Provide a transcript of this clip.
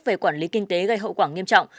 về quản lý kinh tế gây hậu quả nghiêm trọng